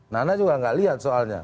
nana juga nggak lihat soalnya